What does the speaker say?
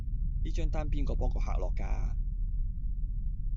呢張單邊個幫個客落㗎